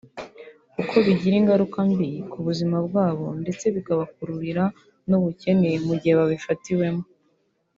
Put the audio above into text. kuko bigira ingaruka mbi ku buzima bwabo ndetse bikabakururira n’ubukene mu gihe babifatiwemo